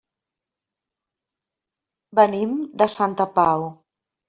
Venim de Santa Pau.